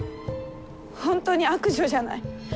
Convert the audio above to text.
本当に悪女じゃない。